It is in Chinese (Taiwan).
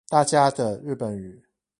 大家的日本語